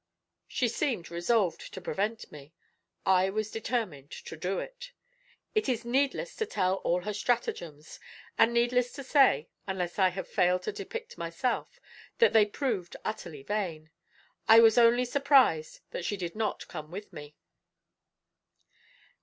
She seemed resolved to prevent me. I was determined to do it. It is needless to tell all her stratagems, and needless to say (unless I have failed to depict myself) that they proved utterly vain. I was only surprised that she did not come with me.